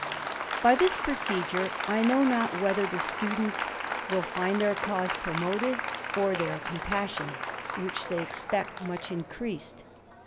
By this procedure, I know not whether the stadents will find their cause promoted, or their compassion which they expect much increased.